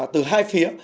từ hai phía